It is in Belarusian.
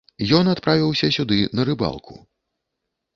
Ён адправіўся сюды на рыбалку.